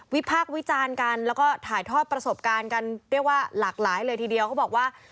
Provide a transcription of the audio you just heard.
พากษ์วิจารณ์กันแล้วก็ถ่ายทอดประสบการณ์กันเรียกว่าหลากหลายเลยทีเดียวเขาบอกว่า